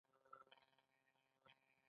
هغوی د ژمنې په بڼه ستوري سره ښکاره هم کړه.